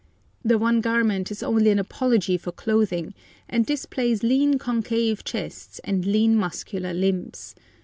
The one garment is only an apology for clothing, and displays lean concave chests and lean muscular limbs.